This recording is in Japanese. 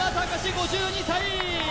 ５２歳！